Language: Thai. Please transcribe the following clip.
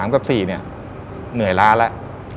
๓กับ๔เนื่อยล้าแล้ว